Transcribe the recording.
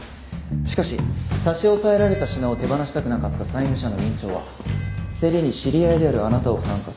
しかし差し押さえられた品を手放したくなかった債務者の院長は競りに知り合いであるあなたを参加させた。